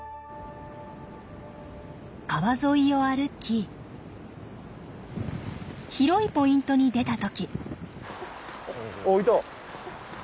川沿いを歩き広いポイントに出た時。